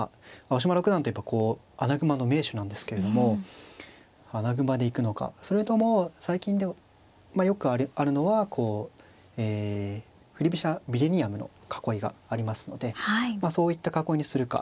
青嶋六段といえば穴熊の名手なんですけれども穴熊で行くのかそれとも最近よくあるのはこうえ振り飛車ミレニアムの囲いがありますのでそういった囲いにするか。